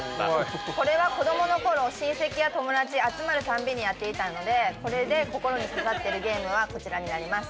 これは子供の頃、親戚や友達、集まるたびにやっていたので、これで、心に刺さっているゲームはこちらになります。